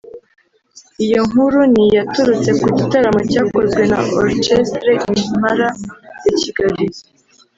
Iyo nkuru ni iyaturutse ku gitaramo cyakozwe na Orchestre Impala de Kigali